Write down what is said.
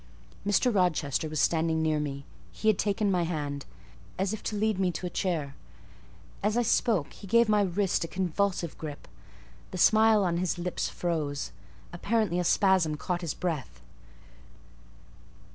Mr. Rochester was standing near me; he had taken my hand, as if to lead me to a chair. As I spoke he gave my wrist a convulsive grip; the smile on his lips froze: apparently a spasm caught his breath.